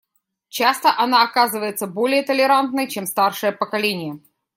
Часто она оказывается более толерантной, чем старшее поколение.